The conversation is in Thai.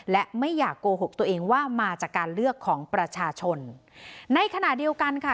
และไม่อยากโกหกตัวเองว่ามาจากการเลือกของประชาชนในขณะเดียวกันค่ะ